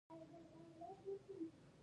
که پاملرنه ورته ونه کړئ